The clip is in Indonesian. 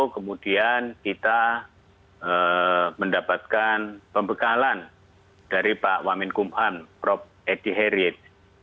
kemudian kita mendapatkan pembekalan dari pak wamin kumhan prof edy herit